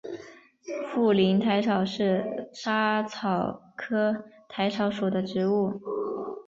富宁薹草是莎草科薹草属的植物。